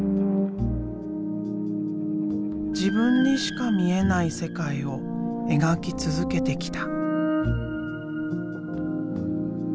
自分にしか見えない世界を描き続けてきた。